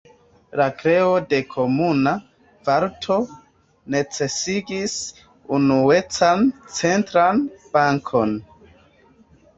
La kreo de komuna valuto necesigis unuecan centran bankon.